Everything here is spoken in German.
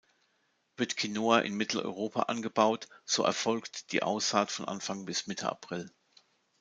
Wird Quinoa in Mitteleuropa angebaut, so erfolgt die Aussaat von Anfang bis Mitte April.